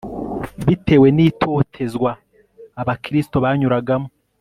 bitewe ni totezwa abakristo banyuragamo